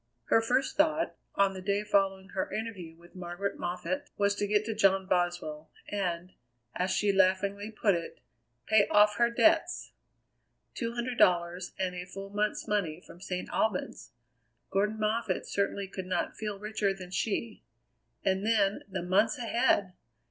Her first thought, on the day following her interview with Margaret Moffatt, was to get to John Boswell, and, as she laughingly put it, pay off her debts! Two hundred dollars and a full month's money from St. Albans! Gordon Moffatt certainly could not feel richer than she. And then the months ahead!